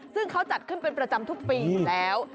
ซึ่งเขาจัดขึ้นเป็นประจำทุกปีอยู่แล้ว